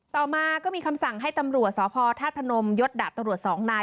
ต่อมาก็มีคำสั่งให้ตำรวจสพธาตุพนมยศดาบตำรวจสองนาย